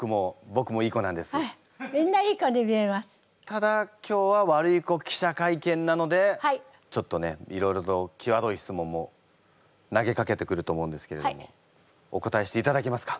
ただ今日はワルイコ記者会見なのでちょっとねいろいろときわどい質問も投げかけてくると思うんですけれどもお答えしていただけますか？